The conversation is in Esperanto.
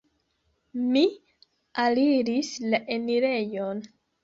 Mi aliris la enirejon.